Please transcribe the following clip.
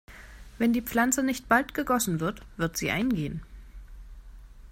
Wenn die Pflanze nicht bald gegossen wird, wird sie eingehen.